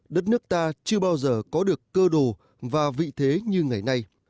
đất nước ta chưa bao giờ có được cơ đồ và vị thế như ngày nay